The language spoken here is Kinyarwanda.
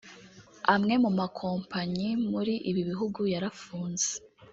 Amwe mu makompanyi muri ibi bihugu yarafunze